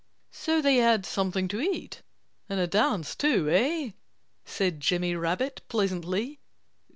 "So they had something to eat and a dance too, eh?" said Jimmy Rabbit pleasantly.